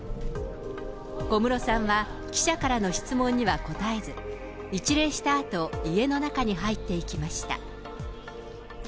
小室さんは記者からの質問には答えず、一礼したあと、家の中に入っていきました。